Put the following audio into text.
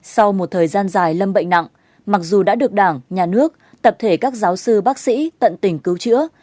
sau một thời gian dài lâm bệnh nặng mặc dù đã được đảng nhà nước tập thể các giáo sư bác sĩ tận tình cứu chữa